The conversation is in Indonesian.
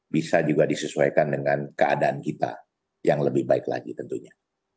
bisa juga disesuaikan dengan keadaan kita yang lebih baik lagi tentunya